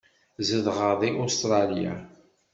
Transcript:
Zedɣeɣ deg Ustṛalya.